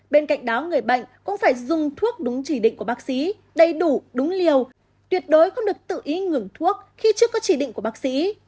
bên cạnh đó người bệnh cũng phải dùng thuốc đúng chỉ định của bác sĩ đầy đủ đúng liều tuyệt đối không được tự ý ngừng thuốc khi chưa có chỉ định của bác sĩ